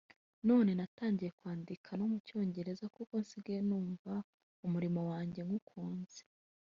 none natangiye kwandika no mu cyongereza kuko nsigaye numva umurimo wanjye nywukunze